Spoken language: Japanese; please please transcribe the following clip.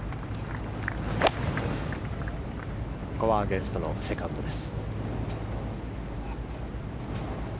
アゲンストのセカンドです。